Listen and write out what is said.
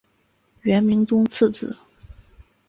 元明宗次子。